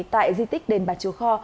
tại di tích đền bà chú kho